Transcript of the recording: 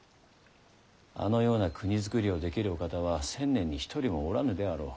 あのような国づくりをできるお方は千年に一人もおらぬであろう。